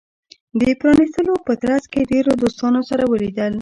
د پرانېستلو په ترڅ کې ډیرو دوستانو سره ولیدل.